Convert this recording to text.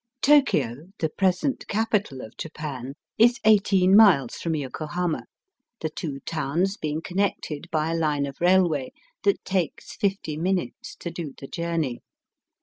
ToKio, the present capital of Japan, is eighteen miles from Yokohama, the two towns being connected by a line of railway that takes fifty minutes to do the journey.